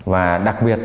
và đặc biệt